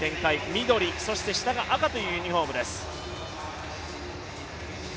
緑、そして下が赤というユニフォームです。